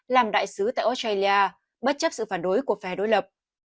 làm đại sứ tại australia bất chấp sự phản đối của phe đối lập